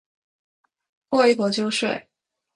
过一会就睡